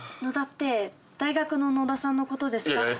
「野だ」って大学の野田さんの事ですか？